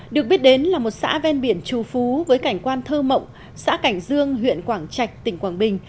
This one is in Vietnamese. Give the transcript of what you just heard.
được biết đến là một xã ven biển trù phú với cảnh quan thơ mộng xã cảnh dương huyện quảng trạch tỉnh quảng bình